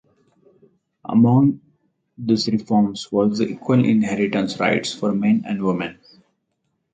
Among these reforms was the equal inheritance rights for men and women.